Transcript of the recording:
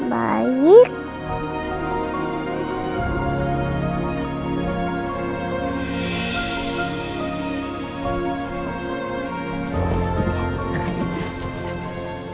terima kasih tuhan